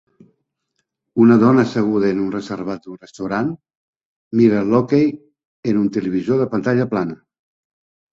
Una dona asseguda en un reservat d'un restaurant mira l'hoquei en un televisor de pantalla plana